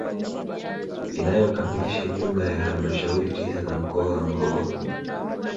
Inayokamilisha jumla ya halmashauri tisa za mkoa wa Morogoro